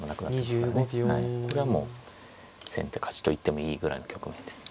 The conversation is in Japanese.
これはもう先手勝ちと言ってもいいぐらいの局面です。